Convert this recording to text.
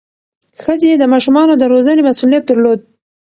ښځې د ماشومانو د روزنې مسؤلیت درلود.